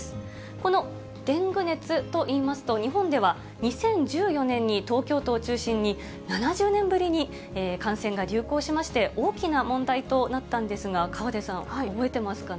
このデング熱といいますと、日本では２０１４年に東京都を中心に、７０年ぶりに感染が流行しまして、大きな問題となったんですが、河出さん、覚えてますかね？